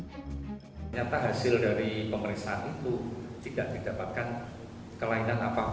ternyata hasil dari pemeriksaan itu tidak didapatkan kelainan apapun